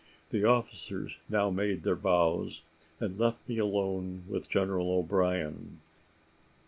The officers now made their bows, and left me alone with General O'Brien.